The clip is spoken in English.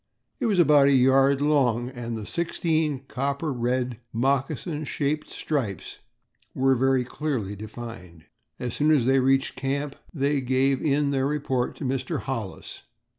It was about a yard long and the sixteen copper red, moccasin shaped stripes were very clearly defined. As soon as they reached camp they gave in their report to Mr. Hollis.